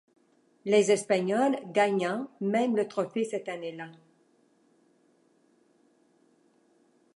Les Espagnols gagnant même le trophée cette année-là.